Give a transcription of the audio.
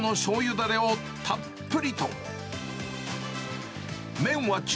だれをたっぷりと。